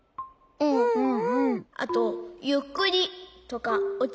うんうん。